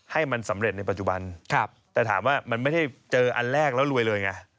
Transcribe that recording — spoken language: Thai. ให้มันสำเร็จในปัจจุบันแต่ถามว่ามันไม่ได้เจออันแรกแล้วรวยเลยไง